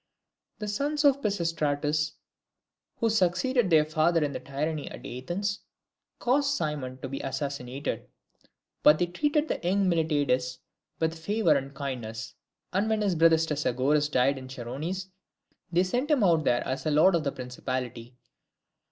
The sons of Pisistratus, who succeeded their father in the tyranny at Athens, caused Cimon to be assassinated, but they treated the young Miltiades with favour and kindness; and when his brother Stesagoras died in the Chersonese, they sent him out there as lord of the principality.